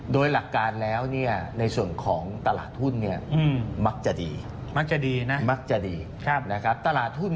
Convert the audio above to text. โดยหลักการแล้วในส่วนของตลาดทุน